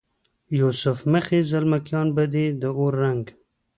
یوسف مخې زلمکیان به دې د اور رنګ،